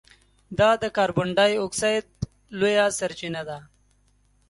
دا د کاربن ډای اکسایډ لویه سرچینه ده.